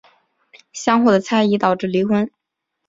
相互的猜疑导致离婚。